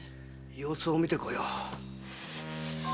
様子を見て来よう。